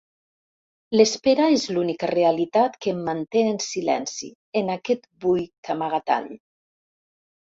L'espera és l'única realitat que em manté en silenci, en aquest buit amagatall.